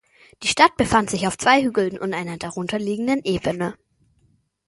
Die Stadt befand sich auf zwei Hügeln und einer darunterliegenden Ebene.